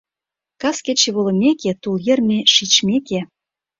Кас кече волымеке, тул йыр ме шичмеке